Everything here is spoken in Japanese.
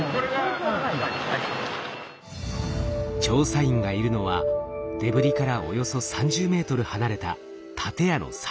調査員がいるのはデブリからおよそ３０ｍ離れた建屋の最上階。